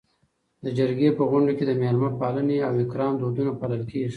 د جرګې په غونډو کي د میلمه پالنې او اکرام دودونه پالل کيږي.